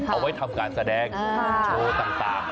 เอาไว้ทำการแสดงโชว์ต่าง